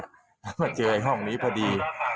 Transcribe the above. แล้วมาเจอห้องนี้พอดี